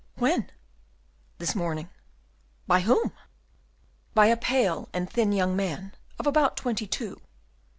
"When?" "This morning." "By whom?" "By a pale and thin young man, of about twenty two."